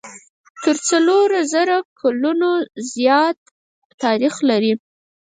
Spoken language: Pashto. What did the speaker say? تر څلور زره کلونو زیات تاریخ لري.